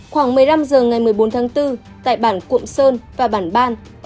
khoảng một mươi năm h ngày một mươi bốn tháng bốn tại bản cuộn sơn và bản ngoại truyền